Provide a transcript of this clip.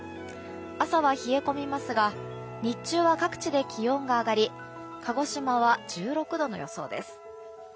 朝は冷え込みますが日中は各地で気温が上がり鹿児島は１６度の予想です。